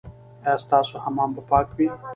ایا ستاسو حمام به پاک وي؟